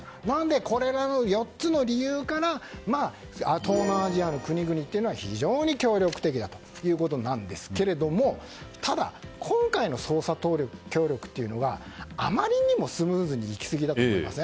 これら４つの理由から東南アジアの国々は非常に協力的だということなんですがただ、今回の捜査協力というのがあまりにもスムーズにいきすぎだと思いません？